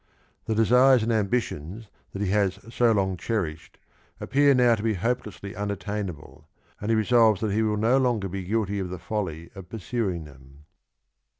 The desires and ambitions that he has so long cherished appear now to be hopelessly unattainable, and he resolves that he will no longer be guilty of the folly of pursuing them.